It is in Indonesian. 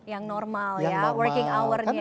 yang normal ya working hour nya ya